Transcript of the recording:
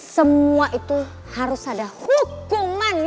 semua itu harus ada hukuman